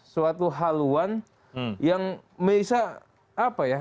suatu haluan yang bisa apa ya